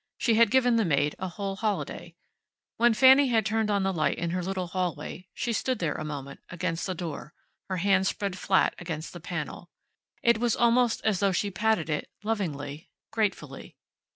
She had given the maid a whole holiday. When Fanny had turned on the light in her little hallway she stood there a moment, against the door, her hand spread flat against the panel. It was almost as though she patted it, lovingly, gratefully.